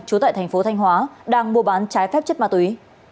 trú tại tp thanh hóa đang mua bán trái phép chất ma túy